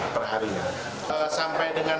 perharinya sampai dengan